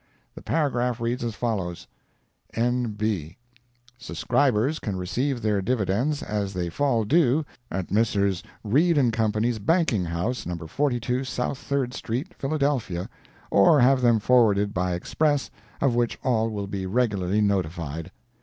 The paragraph reads as follows: "N.B.—Subscribers can receive their dividends, as they fall due, at Messrs. Read & Co's Banking House, No. 42 South Third street, Philadelphia, or have them forwarded by express, of which all will be regularly notified!"